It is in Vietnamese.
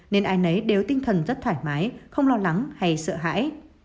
nên ai nấy đều tinh thần rất thoải mái không lo lắng hay sợ hãi